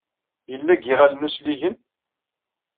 Yella deg yiɣallen usligen?